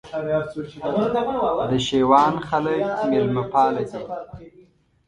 د شېوان خلک مېلمه پاله دي